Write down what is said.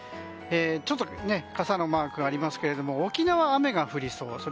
傘のマークがありますけど沖縄は雨が降りそう。